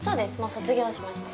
卒業しました。